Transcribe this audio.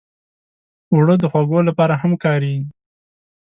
اوړه د خوږو لپاره هم کارېږي